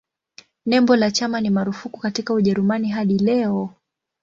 Nembo la chama ni marufuku katika Ujerumani hadi leo.